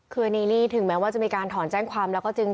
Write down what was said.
คืออันนี้ลี่ถึงแม้ว่าจะมีการถอนแจ้งความแล้วก็จึง